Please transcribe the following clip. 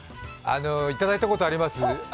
いただいたことあります。